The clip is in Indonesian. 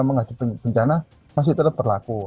menghadapi bencana masih tetap berlaku